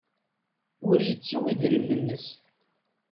Ur yettu idrimen-nnes.